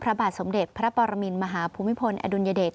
พระบาทสมเด็จพระปรมินมหาภูมิพลอดุลยเดช